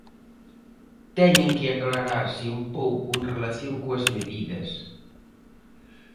Teñen que aclararse un pouco en relación coas medidas.